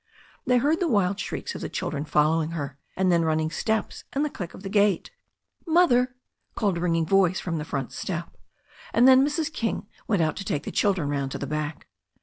They heard the wild shrieks of the children following her^ and then running steps and the click of the gate. "Mother," called a ringing voice from the front step. And then Mrs. King went out to take the children roimd to the back.